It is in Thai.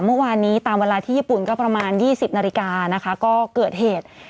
เมื่อวานนี้ตามเวลาที่ญี่ปุ่นก็ประมาณ๒๐นาฬิกานะคะก็เกิดเหตุ